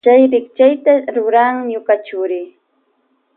Chay rikchayta rurak ñuka churi.